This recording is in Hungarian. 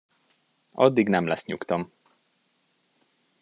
Addig nem lesz nyugtom!